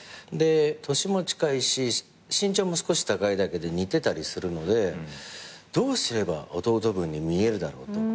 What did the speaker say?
年も近いし身長も少し高いだけで似てたりするのでどうすれば弟分に見えるだろうと。